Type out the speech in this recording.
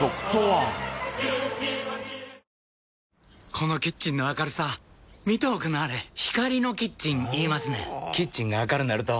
このキッチンの明るさ見ておくんなはれ光のキッチン言いますねんほぉキッチンが明るなると・・・